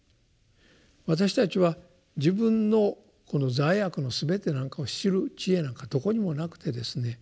私たちは自分のこの罪悪のすべてなんかを知る智慧なんかどこにもなくてですね